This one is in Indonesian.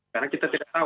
karena kita tidak tahu